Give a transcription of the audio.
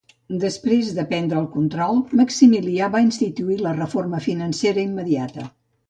Després de prendre el control, Maximilià va instituir la reforma financera immediata.